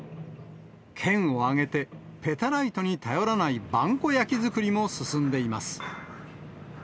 県を挙げて、ペタライトに頼らない萬古焼作りも進んでいます。